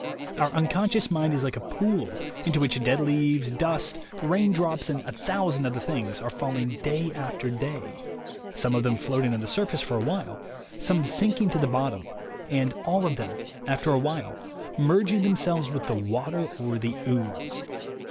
"Our unconscious mind is like a pool into which dead leaves, dust, rain drops and a thousand other things are falling day after day, some of them float ing on the surface for a while, some sinking to the bottom and, all of them, after a while, merging themselves with the water or the ooze.